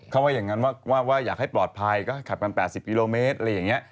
เขาว่าอย่างนั้นว่าอยากให้ปลอดภัยก็ขับกัน๘๐กิโลเมตรอะไรอย่างนี้